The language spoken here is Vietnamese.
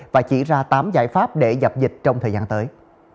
và chỉ ra tám giải pháp để dập dịch trong thời gian tới